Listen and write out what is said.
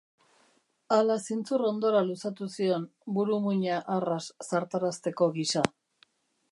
Ala zintzur hondora luzatu zion, burumuina arras zartarazteko gisa?